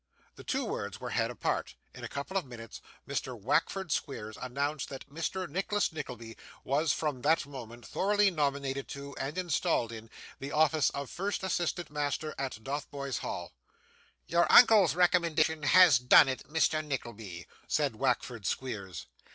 The two words were had apart; in a couple of minutes Mr. Wackford Squeers announced that Mr. Nicholas Nickleby was, from that moment, thoroughly nominated to, and installed in, the office of first assistant master at Dotheboys Hall. 'Your uncle's recommendation has done it, Mr. Nickleby,' said Wackford Squeers.